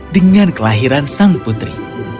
dengan kelahiran sang putri